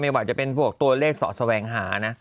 ว่าจะเป็นพวกตัวเลขเสาะแสวงหานะ